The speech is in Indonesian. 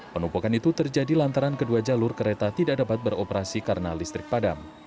penumpukan itu terjadi lantaran kedua jalur kereta tidak dapat beroperasi karena listrik padam